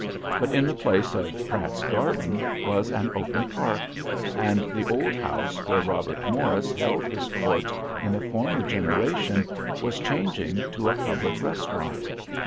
But in the place of "Pratt's Garden" was an open park, and the old house where Robert Morris held his court in a former generation was changing to a public restaurant.